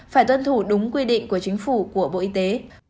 phải tuân thủ đúng quy định của chính phủ của bộ y tế